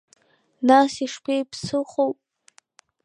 Нас ишԥеиԥсыхәоу?